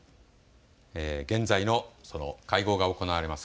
現在のその会合が行われます